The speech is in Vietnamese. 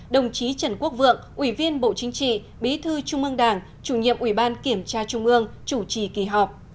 đồng chí trần quốc vượng ủy viên bộ chính trị bí thư trung ương đảng chủ nhiệm ủy ban kiểm tra trung ương chủ trì kỳ họp